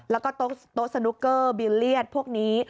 แล้วก็โต๊ะสนุกเกอร์บิลเลียสพวกนี้